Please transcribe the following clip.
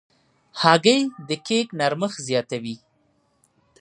هګۍ د کیک نرمښت زیاتوي.